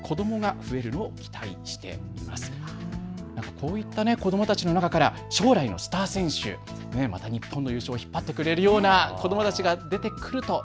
こういった子どもたちの中から将来のスター選手、また日本の優勝を引っ張ってくれるような子どもたちが出てくると。